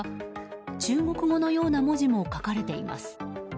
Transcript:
中国語のような文字も書かれています。